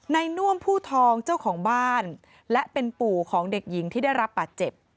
น่วมผู้ทองเจ้าของบ้านและเป็นปู่ของเด็กหญิงที่ได้รับบาดเจ็บ